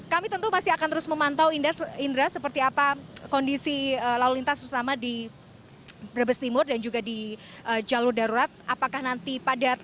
kami tentu masih akan terus memantau indra seperti apa kondisi lalu lintas terutama di brebes timur dan juga di jalur darurat